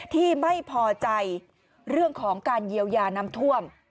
ที่ไม่พอใจเรื่องของการเยียวยาน้ำท่วม